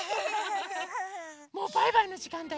もうバイバイのじかんだよ。